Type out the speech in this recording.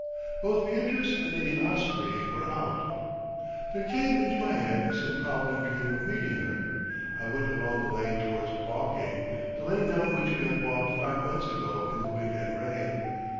Both Beatrice and Lady Osprey were out. There came into my head some prowling dream of meeting her. I went along the lane towards Woking, the lane down which we had walked five months ago in the wind and rain.